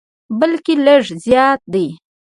بلکې لږ زیات دي.